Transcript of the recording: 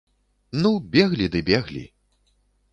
Ну, беглі ды беглі.